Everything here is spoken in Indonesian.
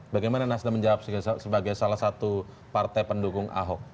bagaimana nasdem menjawab sebagai salah satu partai pendukung ahok